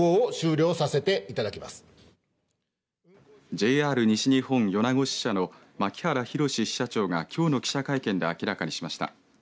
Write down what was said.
ＪＲ西日本米子支社の牧原弘支社長がきょうの記者会見で明らかにしました。